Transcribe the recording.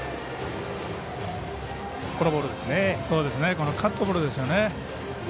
このカットボールですよね。